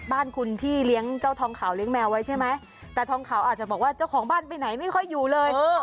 บ้านคุณที่เลี้ยงเจ้าทองขาวเลี้ยแมวไว้ใช่ไหมแต่ทองขาวอาจจะบอกว่าเจ้าของบ้านไปไหนไม่ค่อยอยู่เลย